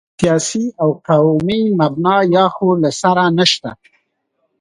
سیاسي او قومي مبنا یا خو له سره نشته.